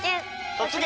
「突撃！